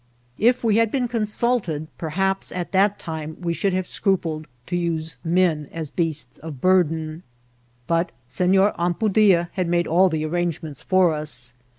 If we had been consulted, perhaps at that time we should have scrupled to use men as beasts of burden ; but SeSor Ampudia had made all the arrange ments for us.